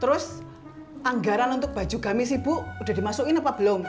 terus anggaran untuk baju gamis ibu udah dimasukin apa belum